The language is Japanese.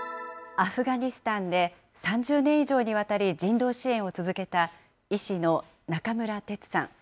アフガニスタンで３０年以上にわたり人道支援を続けた医師の中村哲さん。